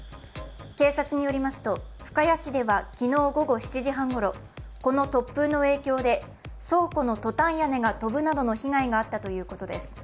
警察によりますと、深谷市では昨日午後７時半ごろ、この突風の影響で倉庫のトタン屋根が飛ぶなどの被害があったということです。